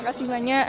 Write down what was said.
pak makasih banyak